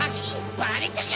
バレたか！